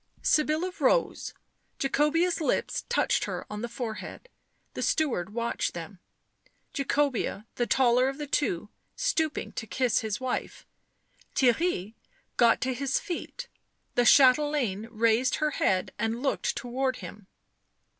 Sybilla rose, Jacobea' s lips touched her on the fore head. The steward watched them ; Jacobea, the taller of the two, stooping to kiss his wife. Theirry got to his feet; the chatelaine raised her head and looked towards him.